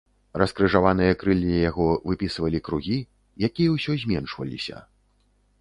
Раскрыжаваныя крыллі яго выпісвалі кругі, якія ўсё зменшваліся.